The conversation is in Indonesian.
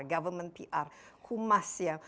government pr kumas ya